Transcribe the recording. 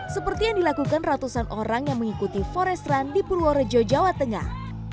seperti yang dilakukan ratusan orang yang mengikuti forest run di purworejo jawa tengah